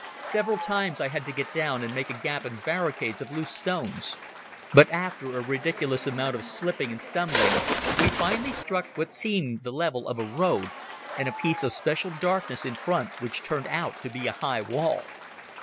Several times I had to get down and make a gap in barricades of loose stones. But after a ridiculous amount of slipping and stumbling we finally struck what seemed the level of a road, and a piece of special darkness in front which turned out to be a high wall.